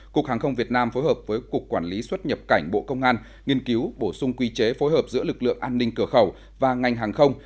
cục hàng không việt nam phối hợp với cục quản lý xuất nhập cảnh bộ công an nghiên cứu bổ sung quy chế phối hợp giữa lực lượng an ninh cửa khẩu và ngành hàng không